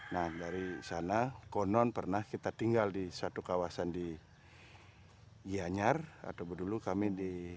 nah dari sana konon pernah kita tinggal di satu kawasan di gianyar atau dulu kami di